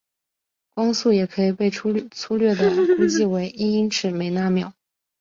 光速也可以被初略地估计为一英尺每纳秒。